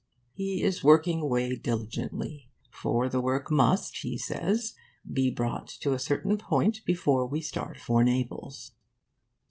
'He is working away diligently, for the work must, he says, be brought to a certain point before we start for Naples.